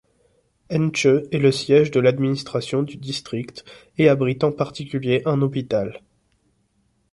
Ntcheu est le siège de l'administration du district et abrite en particulier un hôpital.